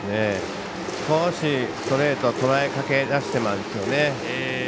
少しストレートをとらえかけだしてますよね。